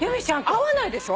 会わないでしょ？